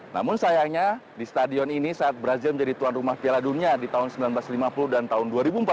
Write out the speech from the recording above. namun sayangnya di stadion ini saat brazil menjadi tuan rumah piala dunia di tahun seribu sembilan ratus lima puluh dan tahun dua ribu empat belas